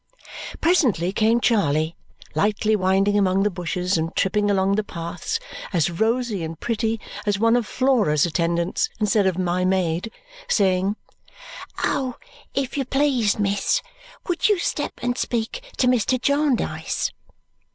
Presently came Charley, lightly winding among the bushes and tripping along the paths, as rosy and pretty as one of Flora's attendants instead of my maid, saying, "Oh, if you please, miss, would you step and speak to Mr. Jarndyce!"